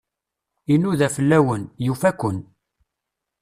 Inuda fell-awen, yufa-ken.